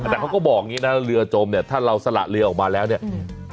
แต่เขาก็บอกอย่างงี้นะเรือจมเนี่ยถ้าเราสละเรือออกมาแล้วเนี่ยอืม